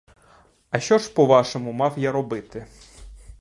А що ж, по-вашому, мав я робити?